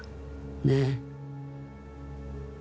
ねえ。